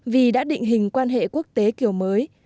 vì đã định hình quan hệ quốc tế kiểu mới